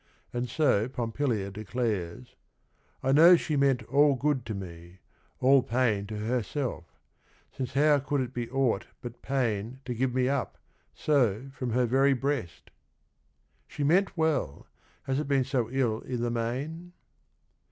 And so Pompilia declares : "I know she meant all good to me, all pain To herself, — since how could it be aught but pain To give me up, so, from her very breast? — She meant well : has it been so ill i' the main?